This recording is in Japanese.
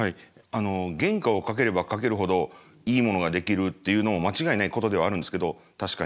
原価をかければかけるほどいいものが出来るっていうのも間違いないことではあるんですけど確かに。